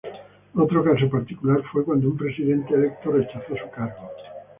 Otro caso particular fue cuando un presidente electo rechazó su cargo.